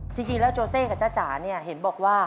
จริงแล้วโจเซกับจ้าจ๋าเนี่ยเห็นบอกว่า